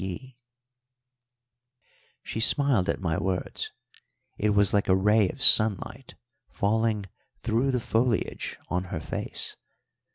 She smiled at my words; it was like a ray of sunlight falling through the foliage on her face.